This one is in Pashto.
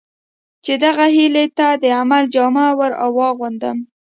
چې دغه هیلې ته د عمل جامه ور واغوندم.